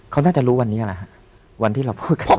เขาน่าจะรู้วันที่เราพูดกันวันนี้